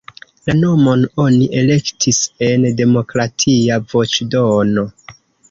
La nomon oni elektis en demokratia voĉdono.